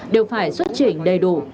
đều phải xuất chỉnh đầy đủ